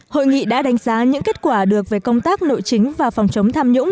hội nghị đã đánh giá những kết quả được về công tác nội chính và phòng chống tham nhũng